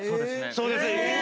そうですね。